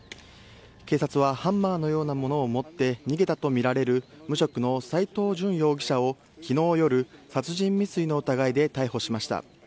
警察はハンマーのようなものを持って逃げたと見られる無職の斎藤淳容疑者をきのう夜、殺人未遂の疑いで逮捕しました。